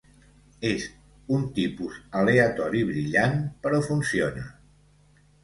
És un tipus aleatori brillant, però funciona.